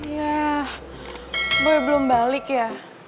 ya gue belum balik ya